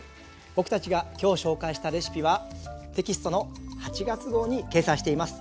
僕たちが今日紹介したレシピはテキストの８月号に掲載しています。